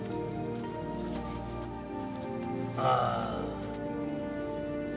ああ。